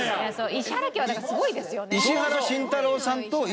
石原家はだからすごいですよね。